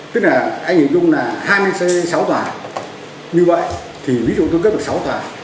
tức là anh hiểu chung là hai mươi sáu tòa như vậy thì ví dụ tôi cấp được sáu tòa